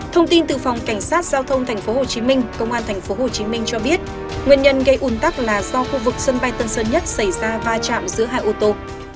thông tin từ phòng cảnh sát giao thông tp hcm công an tp hcm cho biết nguyên nhân gây ủn tắc là do khu vực sân bay tân sơn nhất xảy ra va chạm giữa hai ô tô